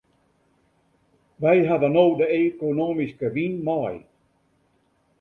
Wy hawwe no de ekonomyske wyn mei.